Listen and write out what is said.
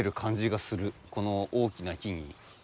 この大きな木に。